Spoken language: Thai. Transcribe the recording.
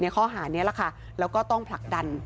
ข้อหานี้แหละค่ะแล้วก็ต้องผลักดัน